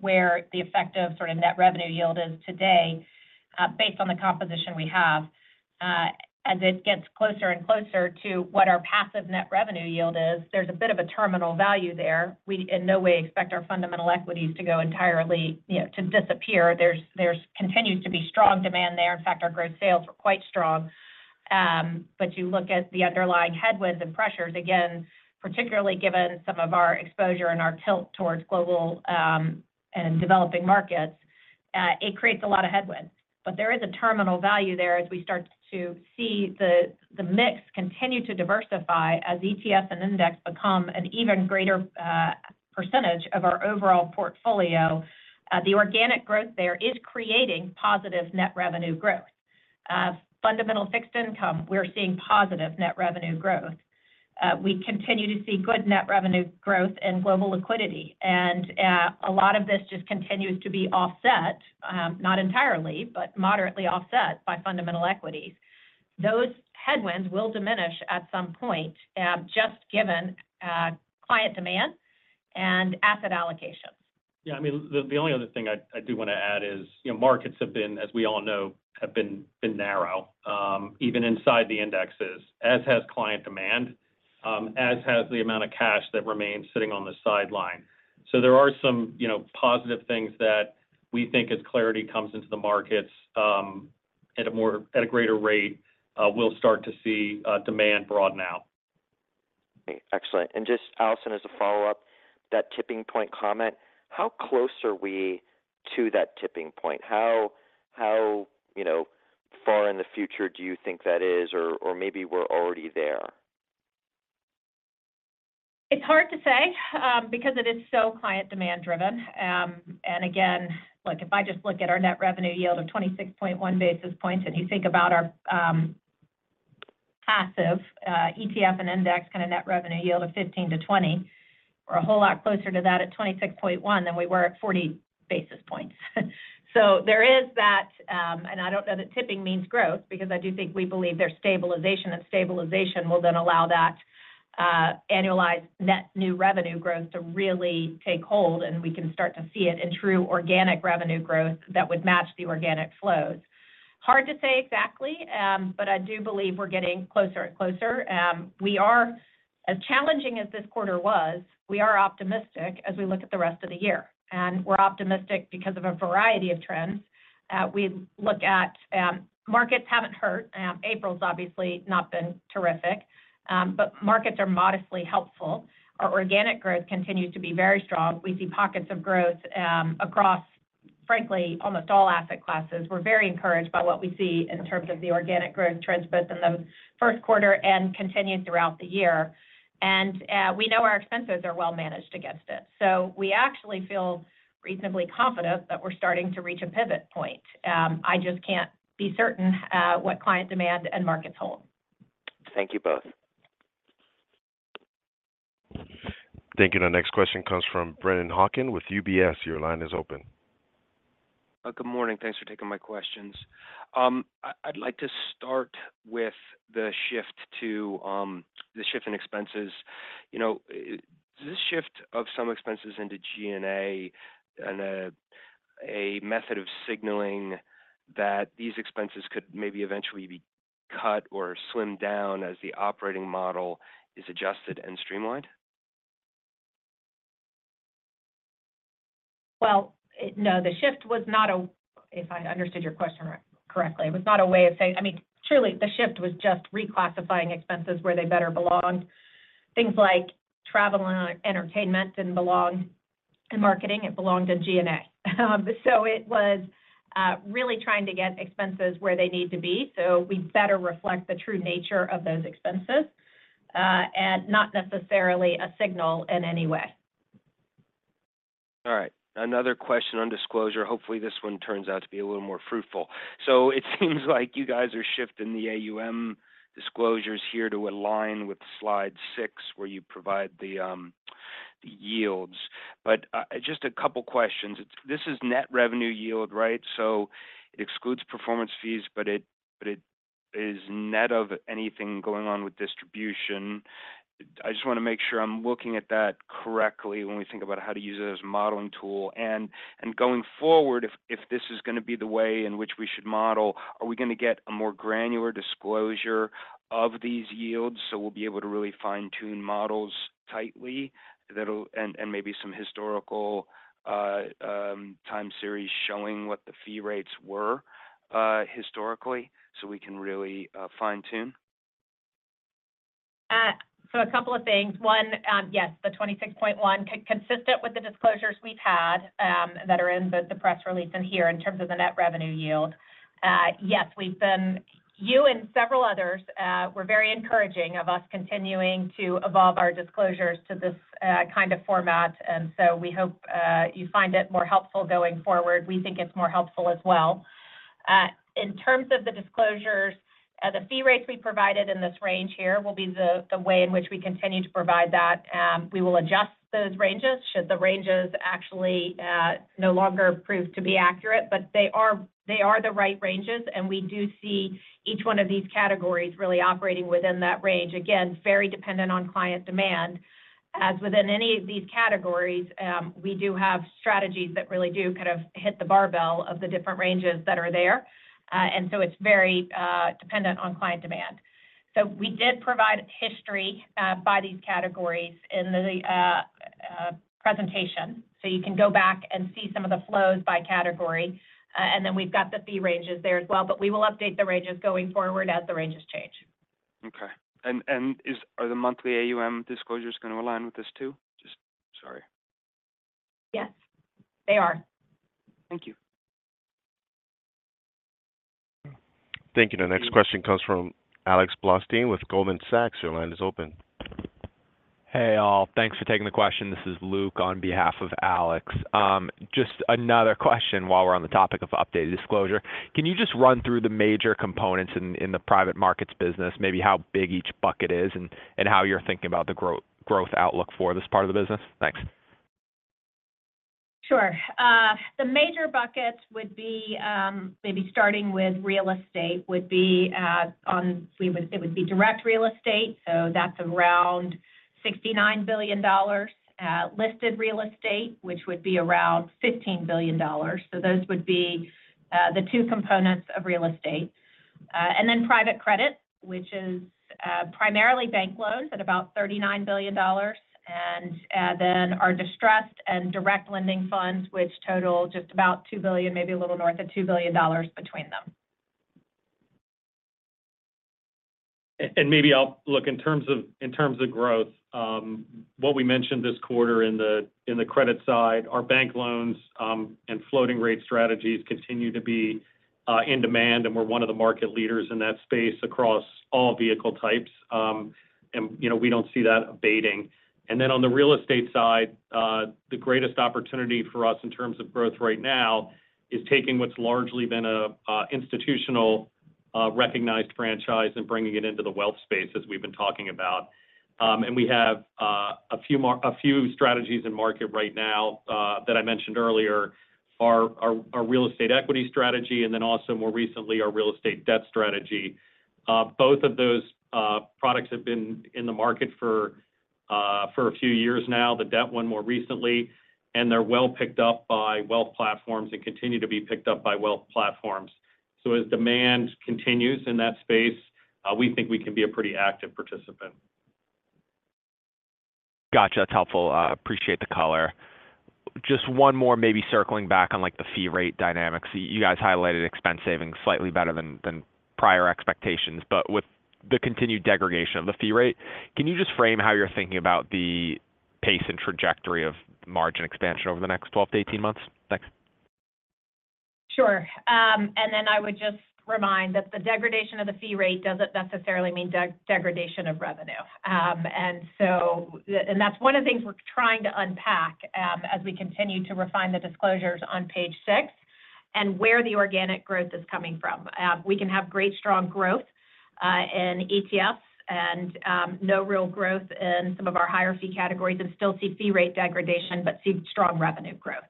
where the effective sort of net revenue yield is today based on the composition we have. As it gets closer and closer to what our passive net revenue yield is, there's a bit of a terminal value there. We in no way expect our fundamental equities to go entirely to disappear. There continues to be strong demand there. In fact, our gross sales were quite strong. But you look at the underlying headwinds and pressures, again, particularly given some of our exposure and our tilt towards global and developing markets, it creates a lot of headwinds. But there is a terminal value there as we start to see the mix continue to diversify as ETFs and index become an even greater percentage of our overall portfolio. The organic growth there is creating positive net revenue growth. Fundamental fixed income, we're seeing positive net revenue growth. We continue to see good net revenue growth and global liquidity. And a lot of this just continues to be offset, not entirely, but moderately offset by fundamental equities. Those headwinds will diminish at some point just given client demand and asset allocations. Yeah. I mean, the only other thing I do want to add is markets have been, as we all know, have been narrow, even inside the indexes, as has client demand, as has the amount of cash that remains sitting on the sideline. So there are some positive things that we think as clarity comes into the markets at a greater rate, we'll start to see demand broaden out. Excellent. And just, Allison, as a follow-up, that tipping point comment, how close are we to that tipping point? How far in the future do you think that is, or maybe we're already there? It's hard to say because it is so client demand-driven. Again, look, if I just look at our net revenue yield of 26.1 basis points and you think about our passive ETF and index kind of net revenue yield of 15-20, we're a whole lot closer to that at 26.1 than we were at 40 basis points. There is that, and I don't know that tipping means growth because I do think we believe there's stabilization, and stabilization will then allow that annualized net new revenue growth to really take hold, and we can start to see it in true organic revenue growth that would match the organic flows. Hard to say exactly, but I do believe we're getting closer and closer. As challenging as this quarter was, we are optimistic as we look at the rest of the year. And we're optimistic because of a variety of trends. We look at markets haven't hurt. April's obviously not been terrific, but markets are modestly helpful. Our organic growth continues to be very strong. We see pockets of growth across, frankly, almost all asset classes. We're very encouraged by what we see in terms of the organic growth trends both in the first quarter and continue throughout the year. And we know our expenses are well managed against it. So we actually feel reasonably confident that we're starting to reach a pivot point. I just can't be certain what client demand and markets hold. Thank you both. Thank you. Our next question comes from Brennan Hawken with UBS. Your line is open. Good morning. Thanks for taking my questions. I'd like to start with the shift in expenses. Does this shift of some expenses into G&A and a method of signaling that these expenses could maybe eventually be cut or slimmed down as the operating model is adjusted and streamlined? Well, no. The shift was not, if I understood your question correctly, a way of saying—I mean, truly, the shift was just reclassifying expenses where they better belonged. Things like travel and entertainment didn't belong in marketing. It belonged in G&A. So it was really trying to get expenses where they need to be so we better reflect the true nature of those expenses and not necessarily a signal in any way. All right. Another question on disclosure. Hopefully, this one turns out to be a little more fruitful. So it seems like you guys are shifting the AUM disclosures here to align with slide six where you provide the yields. But just a couple of questions. This is net revenue yield, right? So it excludes performance fees, but it is net of anything going on with distribution. I just want to make sure I'm looking at that correctly when we think about how to use it as a modeling tool. And going forward, if this is going to be the way in which we should model, are we going to get a more granular disclosure of these yields so we'll be able to really fine-tune models tightly and maybe some historical time series showing what the fee rates were historically so we can really fine-tune? A couple of things. One, yes, the 26.1, consistent with the disclosures we've had that are in both the press release and here in terms of the net revenue yield. Yes, you and several others were very encouraging of us continuing to evolve our disclosures to this kind of format. We hope you find it more helpful going forward. We think it's more helpful as well. In terms of the disclosures, the fee rates we provided in this range here will be the way in which we continue to provide that. We will adjust those ranges should the ranges actually no longer prove to be accurate. They are the right ranges, and we do see each one of these categories really operating within that range, again, very dependent on client demand. As with any of these categories, we do have strategies that really do kind of hit the barbell of the different ranges that are there. So it's very dependent on client demand. We did provide history by these categories in the presentation. So you can go back and see some of the flows by category. And then we've got the fee ranges there as well. But we will update the ranges going forward as the ranges change. Okay. Are the monthly AUM disclosures going to align with this too? Just, sorry. Yes, they are. Thank you. Thank you. Our next question comes from Alex Blostein with Goldman Sachs. Your line is open. Hey, all. Thanks for taking the question. This is Luke on behalf of Alex. Just another question while we're on the topic of updated disclosure. Can you just run through the major components in the private markets business, maybe how big each bucket is and how you're thinking about the growth outlook for this part of the business? Thanks. Sure. The major buckets would be maybe starting with real estate. It would be direct real estate. So that's around $69 billion. Listed real estate, which would be around $15 billion. So those would be the two components of real estate. And then private credit, which is primarily bank loans at about $39 billion, and then our distressed and direct lending funds, which total just about $2 billion, maybe a little north of $2 billion between them. Maybe I'll look in terms of growth. What we mentioned this quarter in the credit side, our bank loans and floating-rate strategies continue to be in demand, and we're one of the market leaders in that space across all vehicle types. We don't see that abating. Then on the real estate side, the greatest opportunity for us in terms of growth right now is taking what's largely been an institutional-recognized franchise and bringing it into the wealth space, as we've been talking about. We have a few strategies in market right now that I mentioned earlier, our real estate equity strategy, and then also more recently, our real estate debt strategy. Both of those products have been in the market for a few years now, the debt one more recently. They're well picked up by wealth platforms and continue to be picked up by wealth platforms. As demand continues in that space, we think we can be a pretty active participant. Gotcha. That's helpful. Appreciate the color. Just one more, maybe circling back on the fee rate dynamics. You guys highlighted expense savings slightly better than prior expectations. But with the continued degradation of the fee rate, can you just frame how you're thinking about the pace and trajectory of margin expansion over the next 12-18 months? Thanks. Sure. And then I would just remind that the degradation of the fee rate doesn't necessarily mean degradation of revenue. And that's one of the things we're trying to unpack as we continue to refine the disclosures on page six and where the organic growth is coming from. We can have great strong growth in ETFs and no real growth in some of our higher-fee categories and still see fee rate degradation but see strong revenue growth.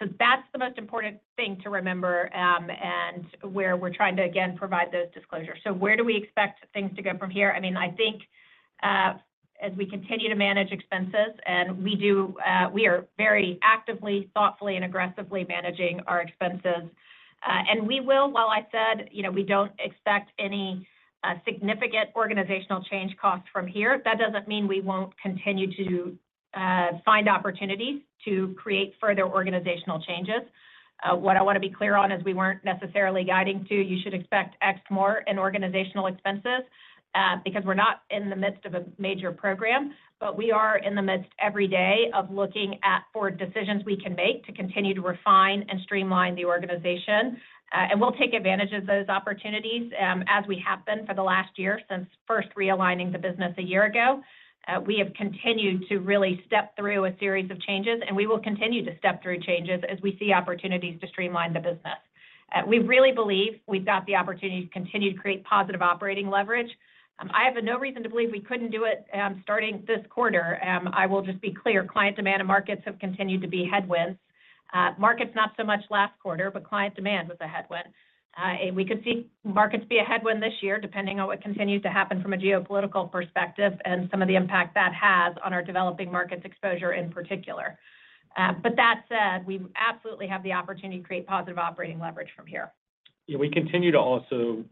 So that's the most important thing to remember and where we're trying to, again, provide those disclosures. So where do we expect things to go from here? I mean, I think as we continue to manage expenses and we are very actively, thoughtfully, and aggressively managing our expenses and we will, while I said we don't expect any significant organizational change costs from here, that doesn't mean we won't continue to find opportunities to create further organizational changes. What I want to be clear on is we weren't necessarily guiding to, "You should expect X more in organizational expenses," because we're not in the midst of a major program. But we are in the midst every day of looking for decisions we can make to continue to refine and streamline the organization. And we'll take advantage of those opportunities as we have been for the last year since first realigning the business a year ago. We have continued to really step through a series of changes, and we will continue to step through changes as we see opportunities to streamline the business. We really believe we've got the opportunity to continue to create positive operating leverage. I have no reason to believe we couldn't do it starting this quarter. I will just be clear. Client demand and markets have continued to be headwinds. Markets, not so much last quarter, but client demand was a headwind. We could see markets be a headwind this year depending on what continues to happen from a geopolitical perspective and some of the impact that has on our developing markets exposure in particular. But that said, we absolutely have the opportunity to create positive operating leverage from here. Yeah. We continue to also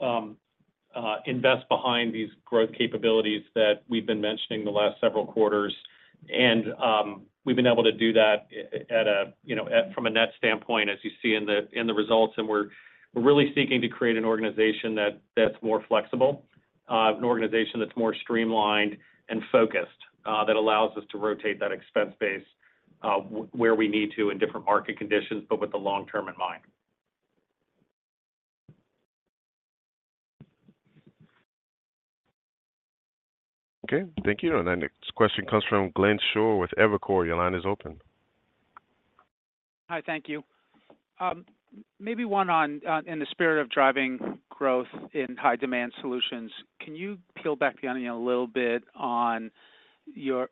invest behind these growth capabilities that we've been mentioning the last several quarters. We've been able to do that from a net standpoint, as you see in the results. We're really seeking to create an organization that's more flexible, an organization that's more streamlined and focused, that allows us to rotate that expense base where we need to in different market conditions but with the long term in mind. Okay. Thank you. And our next question comes from Glenn Schorr with Evercore. Your line is open. Hi. Thank you. Maybe one in the spirit of driving growth in high-demand solutions, can you peel back down a little bit on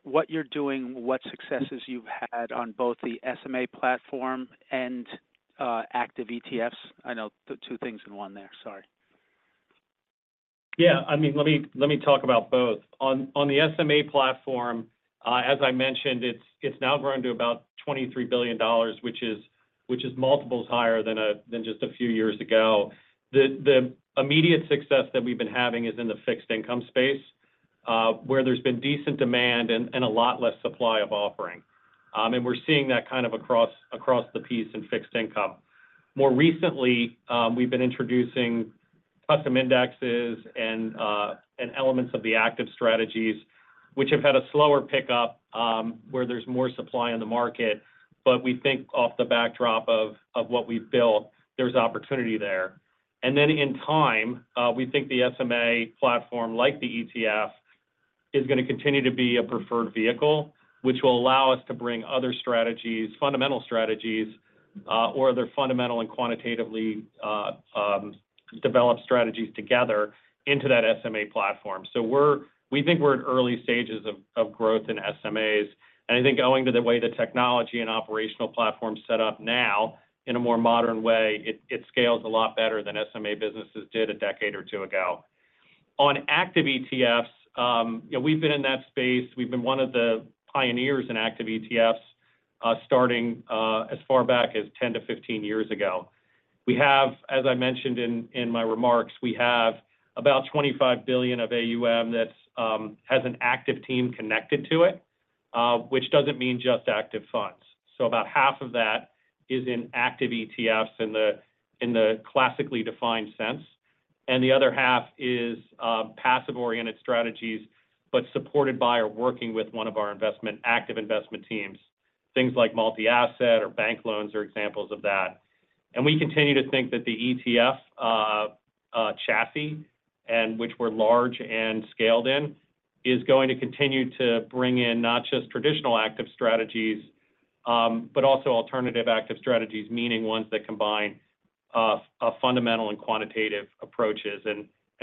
what you're doing, what successes you've had on both the SMA platform and active ETFs? I know two things in one there. Sorry. Yeah. I mean, let me talk about both. On the SMA platform, as I mentioned, it's now grown to about $23 billion, which is multiples higher than just a few years ago. The immediate success that we've been having is in the fixed-income space where there's been decent demand and a lot less supply of offering. And we're seeing that kind of across the piece in fixed income. More recently, we've been introducing custom indexes and elements of the active strategies, which have had a slower pickup where there's more supply in the market. But we think off the backdrop of what we've built, there's opportunity there. And then in time, we think the SMA platform, like the ETF, is going to continue to be a preferred vehicle, which will allow us to bring other strategies, fundamental strategies, or other fundamental and quantitatively developed strategies together into that SMA platform. So we think we're in early stages of growth in SMAs. And I think going to the way the technology and operational platform's set up now in a more modern way, it scales a lot better than SMA businesses did a decade or two ago. On active ETFs, we've been in that space. We've been one of the pioneers in active ETFs starting as far back as 10-15 years ago. As I mentioned in my remarks, we have about $25 billion of AUM that has an active team connected to it, which doesn't mean just active funds. So about half of that is in active ETFs in the classically defined sense. And the other half is passive-oriented strategies but supported by or working with one of our active investment teams, things like multi-asset or bank loans are examples of that. We continue to think that the ETF chassis, which we're large and scaled in, is going to continue to bring in not just traditional active strategies but also alternative active strategies, meaning ones that combine fundamental and quantitative approaches.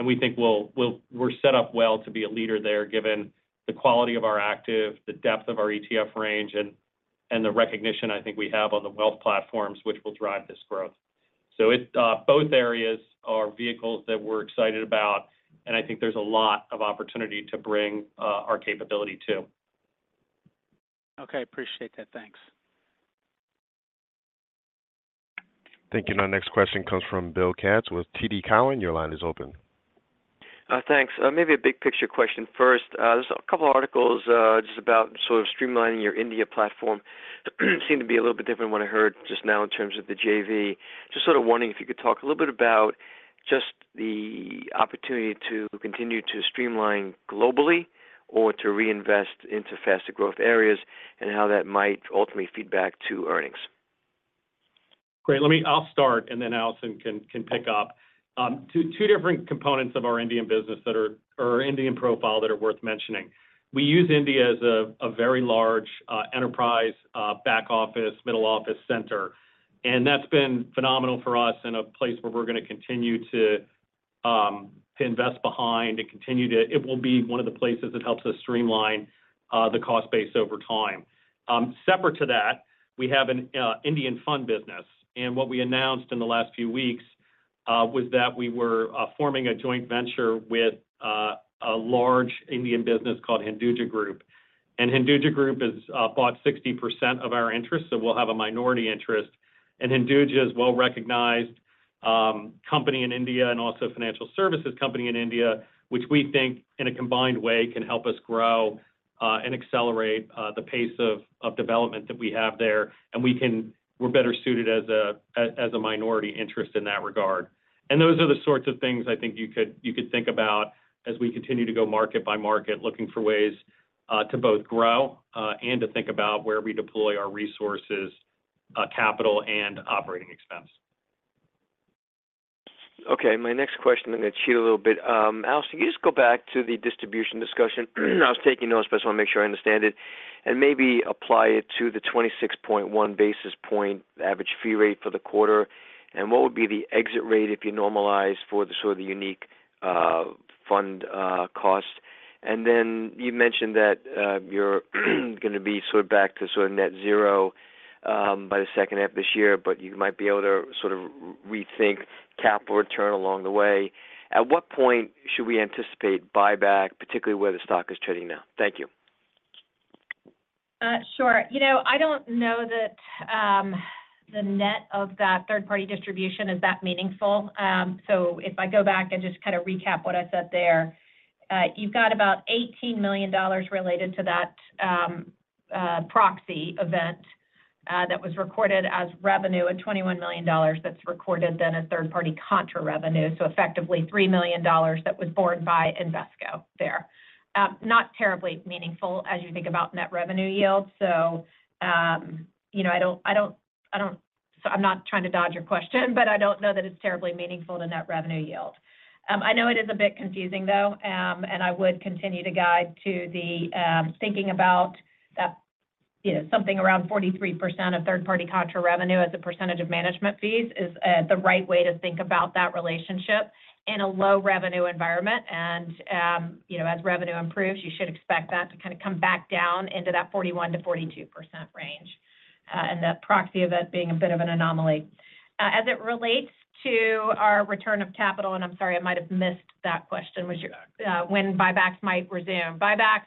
We think we're set up well to be a leader there given the quality of our active, the depth of our ETF range, and the recognition I think we have on the wealth platforms, which will drive this growth. Both areas are vehicles that we're excited about. I think there's a lot of opportunity to bring our capability too. Okay. Appreciate that. Thanks. Thank you. Our next question comes from Bill Katz with TD Cowen. Your line is open. Thanks. Maybe a big-picture question first. There's a couple of articles just about sort of streamlining your India platform. Seemed to be a little bit different than what I heard just now in terms of the JV. Just sort of wondering if you could talk a little bit about just the opportunity to continue to streamline globally or to reinvest into faster-growth areas and how that might ultimately feed back to earnings? Great. I'll start, and then Allison can pick up. Two different components of our Indian business or Indian profile that are worth mentioning. We use India as a very large enterprise back office, middle office center. And that's been phenomenal for us and a place where we're going to continue to invest behind and continue to it will be one of the places that helps us streamline the cost base over time. Separate to that, we have an Indian fund business. And what we announced in the last few weeks was that we were forming a joint venture with a large Indian business called Hinduja Group. And Hinduja Group has bought 60% of our interests, so we'll have a minority interest. Hinduja is a well-recognized company in India and also a financial services company in India, which we think in a combined way can help us grow and accelerate the pace of development that we have there. We're better suited as a minority interest in that regard. Those are the sorts of things I think you could think about as we continue to go market by market looking for ways to both grow and to think about where we deploy our resources, capital, and operating expense. Okay. My next question, I'm going to cheat a little bit. Allison, can you just go back to the distribution discussion? I was taking notes. I just want to make sure I understand it and maybe apply it to the 26.1 basis point average fee rate for the quarter. And what would be the exit rate if you normalize for sort of the unique fund cost? And then you mentioned that you're going to be sort of back to sort of net zero by the second half of this year, but you might be able to sort of rethink capital return along the way. At what point should we anticipate buyback, particularly where the stock is trading now? Thank you. Sure. I don't know that the net of that third-party distribution is that meaningful. So if I go back and just kind of recap what I said there, you've got about $18 million related to that proxy event that was recorded as revenue and $21 million that's recorded then as third-party contra-revenue. So effectively, $3 million that was borne by Invesco there. Not terribly meaningful as you think about net revenue yield. So I don't, I'm not trying to dodge your question, but I don't know that it's terribly meaningful to net revenue yield. I know it is a bit confusing, though, and I would continue to guide to the thinking about that something around 43% of third-party contra-revenue as a percentage of management fees is the right way to think about that relationship in a low-revenue environment. As revenue improves, you should expect that to kind of come back down into that 41%-42% range and the proxy event being a bit of an anomaly. As it relates to our return of capital and I'm sorry, I might have missed that question, was when buybacks might resume. Buybacks,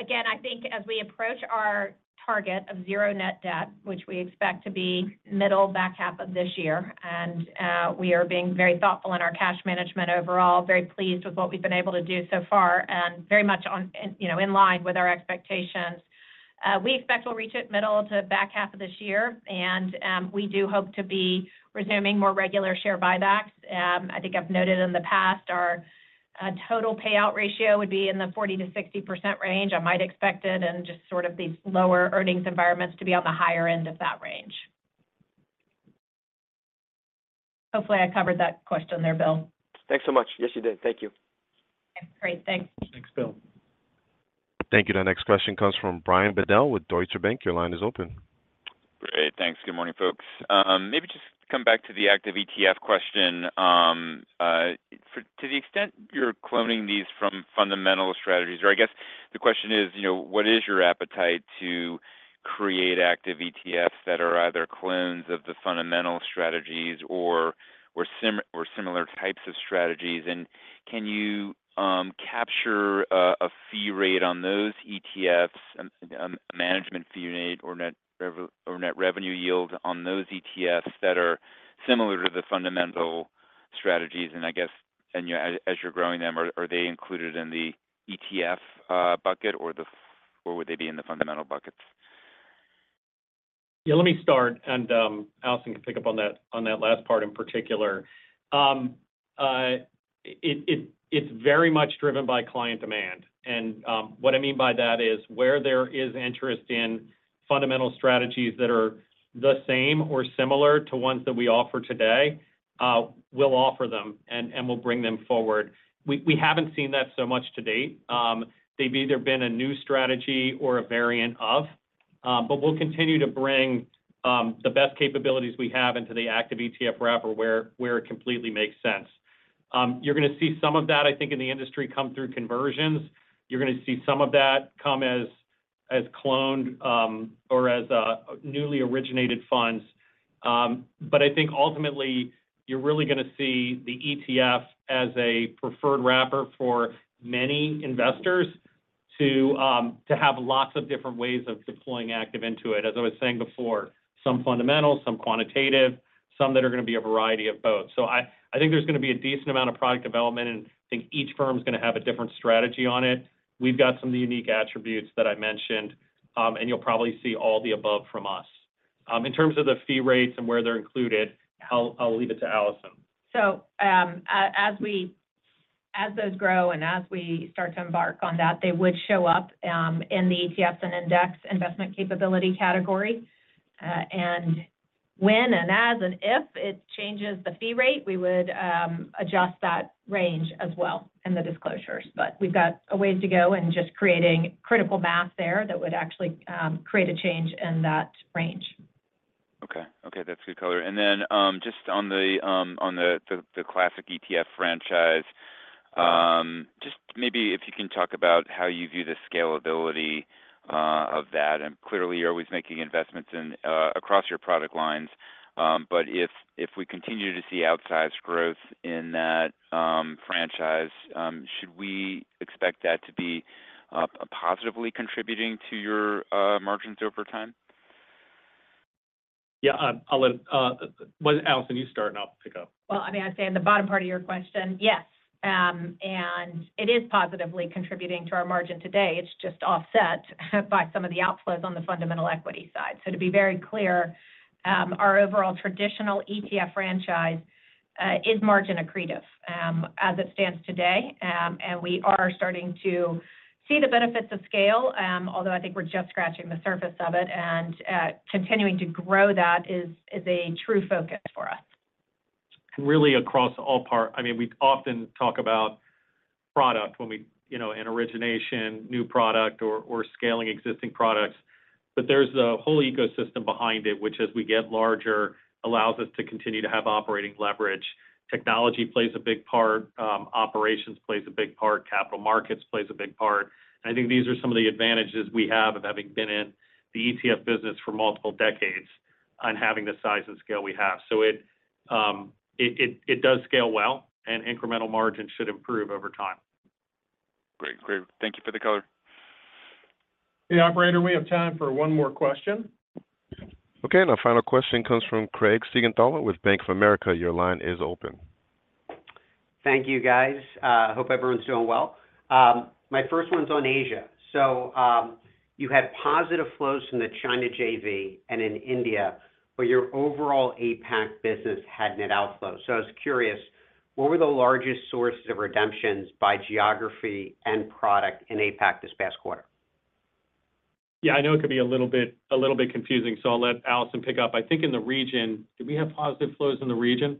again, I think as we approach our target of zero net debt, which we expect to be middle, back half of this year, and we are being very thoughtful in our cash management overall, very pleased with what we've been able to do so far and very much in line with our expectations. We expect we'll reach it middle to back half of this year. And we do hope to be resuming more regular share buybacks. I think I've noted in the past our total payout ratio would be in the 40%-60% range. I might expect it and just sort of these lower earnings environments to be on the higher end of that range. Hopefully, I covered that question there, Bill. Thanks so much. Yes, you did. Thank you. Okay. Great. Thanks. Thanks, Bill. Thank you. Our next question comes from Brian Bedell with Deutsche Bank. Your line is open. Great. Thanks. Good morning, folks. Maybe just come back to the active ETF question. To the extent you're cloning these from fundamental strategies or I guess the question is, what is your appetite to create active ETFs that are either clones of the fundamental strategies or similar types of strategies? And can you capture a fee rate on those ETFs, a management fee rate or net revenue yield on those ETFs that are similar to the fundamental strategies? And I guess as you're growing them, are they included in the ETF bucket, or would they be in the fundamental buckets? Yeah. Let me start. And Allison can pick up on that last part in particular. It's very much driven by client demand. And what I mean by that is where there is interest in fundamental strategies that are the same or similar to ones that we offer today, we'll offer them and we'll bring them forward. We haven't seen that so much to date. They've either been a new strategy or a variant of. But we'll continue to bring the best capabilities we have into the active ETF wrapper where it completely makes sense. You're going to see some of that, I think, in the industry come through conversions. You're going to see some of that come as cloned or as newly originated funds. But I think ultimately, you're really going to see the ETF as a preferred wrapper for many investors to have lots of different ways of deploying active into it. As I was saying before, some fundamental, some quantitative, some that are going to be a variety of both. So I think there's going to be a decent amount of product development, and I think each firm's going to have a different strategy on it. We've got some of the unique attributes that I mentioned, and you'll probably see all the above from us. In terms of the fee rates and where they're included, I'll leave it to Allison. As those grow and as we start to embark on that, they would show up in the ETFs and index investment capability category. When and as and if it changes the fee rate, we would adjust that range as well in the disclosures. We've got a ways to go in just creating critical mass there that would actually create a change in that range. Okay. Okay. That's good color. And then just on the classic ETF franchise, just maybe if you can talk about how you view the scalability of that. And clearly, you're always making investments across your product lines. But if we continue to see outsized growth in that franchise, should we expect that to be positively contributing to your margins over time? Yeah. Allison, you start, and I'll pick up. Well, I mean, I'd say in the bottom part of your question, yes. It is positively contributing to our margin today. It's just offset by some of the outflows on the fundamental equity side. To be very clear, our overall traditional ETF franchise is margin accretive as it stands today. We are starting to see the benefits of scale, although I think we're just scratching the surface of it. Continuing to grow that is a true focus for us. Really, across all parts—I mean, we often talk about product when we do an origination, new product, or scaling existing products. But there's the whole ecosystem behind it, which as we get larger, allows us to continue to have operating leverage. Technology plays a big part. Operations plays a big part. Capital markets plays a big part. And I think these are some of the advantages we have of having been in the ETF business for multiple decades and having the size and scale we have. So it does scale well, and incremental margin should improve over time. Great. Great. Thank you for the color. Hey, operator. We have time for one more question. Okay. Our final question comes from Craig Siegenthaler with Bank of America. Your line is open. Thank you, guys. Hope everyone's doing well. My first one's on Asia. You had positive flows from the China JV and in India, but your overall APAC business had net outflows. I was curious, what were the largest sources of redemptions by geography and product in APAC this past quarter? Yeah. I know it could be a little bit confusing, so I'll let Allison pick up. I think in the region, did we have positive flows in the region?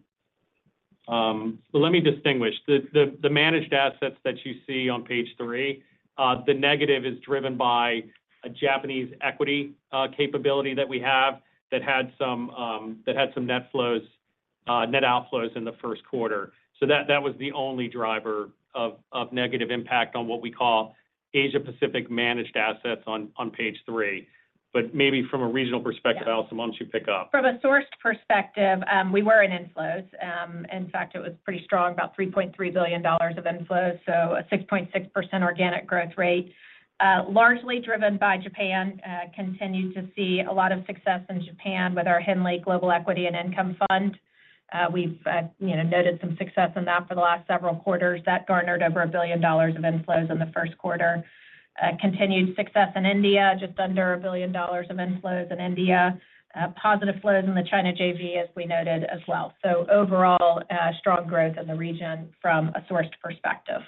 But let me distinguish. The managed assets that you see on page three, the negative is driven by a Japanese equity capability that we have that had some net outflows in the first quarter. So that was the only driver of negative impact on what we call Asia-Pacific managed assets on page three. But maybe from a regional perspective, Allison, why don't you pick up? From a source perspective, we were in inflows. In fact, it was pretty strong, about $3.3 billion of inflows, so a 6.6% organic growth rate. Largely driven by Japan, continued to see a lot of success in Japan with our Henley Global Equity and Income Fund. We've noted some success in that for the last several quarters. That garnered over $1 billion of inflows in the first quarter. Continued success in India, just under $1 billion of inflows in India. Positive flows in the China JV, as we noted, as well. So overall, strong growth in the region from a source perspective.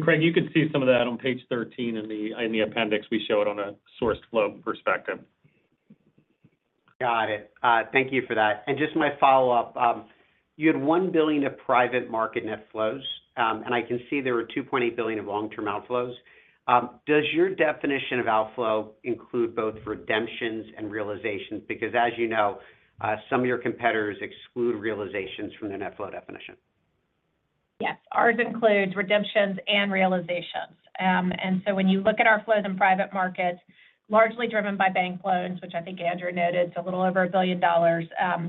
Craig, you could see some of that on page 13 in the appendix. We show it on a source flow perspective. Got it. Thank you for that. And just my follow-up, you had $1 billion of private market net flows, and I can see there were $2.8 billion of long-term outflows. Does your definition of outflow include both redemptions and realizations? Because as you know, some of your competitors exclude realizations from the net flow definition. Yes. Ours includes redemptions and realizations. And so when you look at our flows in private markets, largely driven by bank loans, which I think Andrew noted, it's a little over $1 billion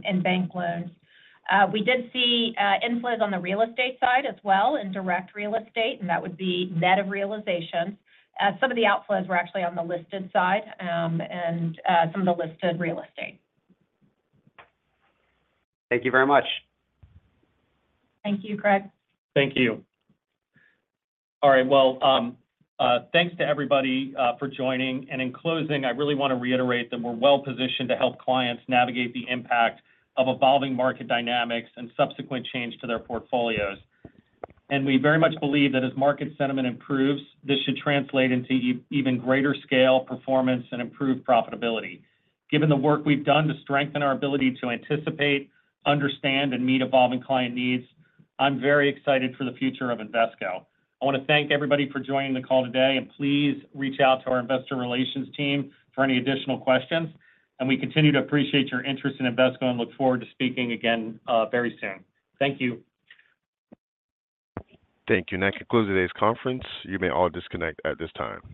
in bank loans. We did see inflows on the real estate side as well in direct real estate, and that would be net of realization. Some of the outflows were actually on the listed side and some of the listed real estate. Thank you very much. Thank you, Craig. Thank you. All right. Well, thanks to everybody for joining. In closing, I really want to reiterate that we're well-positioned to help clients navigate the impact of evolving market dynamics and subsequent change to their portfolios. We very much believe that as market sentiment improves, this should translate into even greater scale, performance, and improved profitability. Given the work we've done to strengthen our ability to anticipate, understand, and meet evolving client needs, I'm very excited for the future of Invesco. I want to thank everybody for joining the call today. Please reach out to our investor relations team for any additional questions. We continue to appreciate your interest in Invesco and look forward to speaking again very soon. Thank you. Thank you. That concludes today's conference. You may all disconnect at this time.